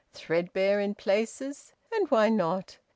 Threadbare in places? And why not?